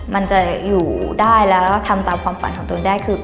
มันจะอยู่ได้แล้วทำตามความฝันของตนได้คือ